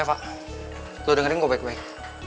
reva lo dengerin gue baik baik